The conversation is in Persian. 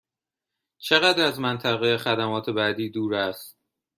چقدر از منطقه خدمات بعدی دور است؟